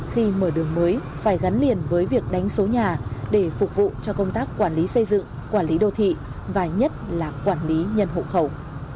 khi mở đường mới phải gắn liền với việc đánh số nhà để phục vụ cho công tác quản lý xây dựng quản lý đô thị và nhất là quản lý nhân hộ khẩu